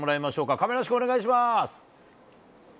亀梨君、お願いします。